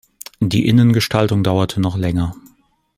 Die Innengestaltung dauerte noch länger.